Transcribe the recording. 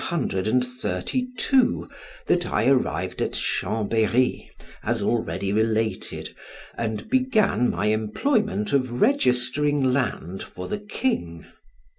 It was, I believe, in 1732, that I arrived at Chambery, as already related, and began my employment of registering land for the king.